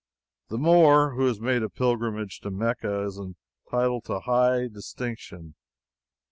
The Moor who has made a pilgrimage to Mecca is entitled to high distinction.